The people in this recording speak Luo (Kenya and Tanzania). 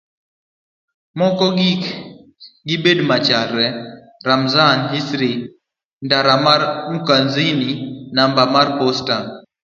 mondo kik gibed machalre. Ramzan Hirsi ndara mar Mkunazini namba mar posta